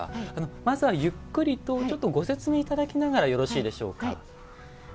まずはゆっくりとご説明いただきながらよろしいでしょうか。